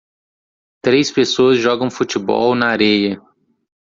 três pessoas jogam futebol na areia.